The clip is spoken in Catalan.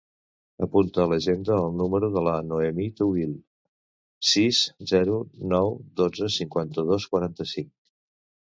Apunta a l'agenda el número de la Noemí Touil: sis, zero, nou, dotze, cinquanta-dos, quaranta-cinc.